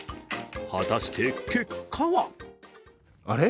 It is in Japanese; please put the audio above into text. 果たして結果は？